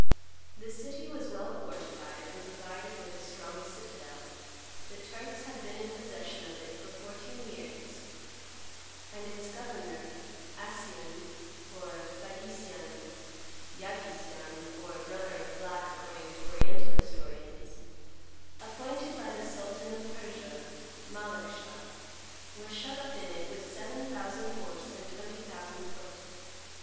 The city was well fortified and provided with a strong citadel; the Turks had been in possession of it for fourteen years; and its governor Accien or Baghisian (Yagui Sian, or brother of black, according to Oriental historians), appointed by the sultan of Persia, Malekschah, was shut up in it with seven thousand horse and twenty thousand foot.